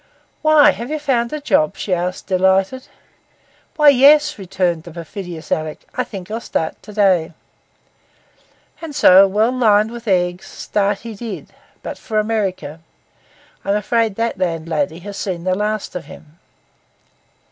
'Why, have you found a job?' she asked, delighted. 'Well, yes,' returned the perfidious Alick; 'I think I'll start to day.' And so, well lined with eggs, start he did, but for America. I am afraid that landlady has seen the last of him.